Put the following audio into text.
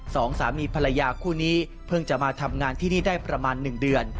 สองสามีภรรยาคู่นี้เพิ่งจะมาทำงานที่นี่ได้ประมาณหนึ่งเดือน